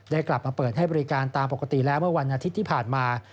กลับมาเปิดให้บริการตามปกติแล้วเมื่อวันอาทิตย์ที่ผ่านมา